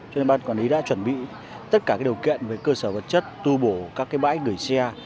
cho nên ban quản lý đã chuẩn bị tất cả điều kiện về cơ sở vật chất tu bổ các cái bãi gửi xe